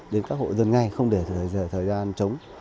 đến các hộ dân ngay không để thời gian chống